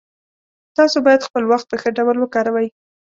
تاسو باید خپل وخت په ښه ډول وکاروئ